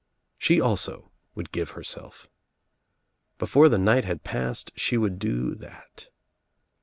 She also would give herself. Before the night had passed she would do that.